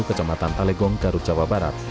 kecamatan talegong garut jawa barat